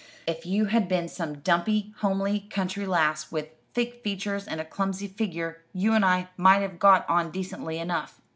If you had been some dumpy, homely, country lass, with thick features and a clumsy figure, you and I might have got on decently enough.